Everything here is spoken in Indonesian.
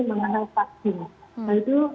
mengenai vaksin nah itu